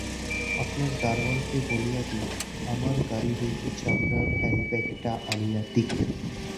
আপনার দরোয়ানকে বলিয়া দিন, আমার গাড়ি হইতে চামড়ার হ্যাণ্ডব্যাগটা আনিয়া দিক।